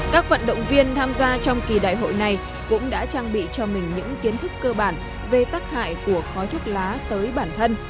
các vận động viên tham gia trong kỳ đại hội này cũng đã trang bị cho mình những kiến thức cơ bản về tắc hại của khói thuốc lá tới bản thân